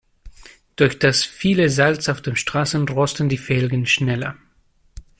Durch das viele Salz auf den Straßen rosten die Felgen schneller.